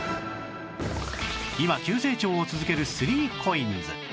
今急成長を続ける ３ＣＯＩＮＳ